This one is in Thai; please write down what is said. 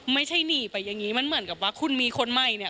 ไม่ใช่หนีไปอย่างนี้มันเหมือนกับว่าคุณมีคนใหม่เนี่ย